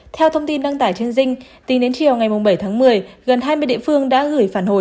theo thông tin đăng tải trên dinh tính đến chiều ngày bảy tháng một mươi gần hai mươi địa phương đã gửi phản hồi